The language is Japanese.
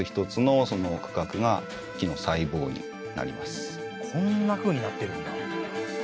まさにこのこんなふうになってるんだ。